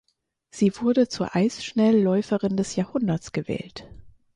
Sie wurde zur Eisschnellläuferin des Jahrhunderts gewählt.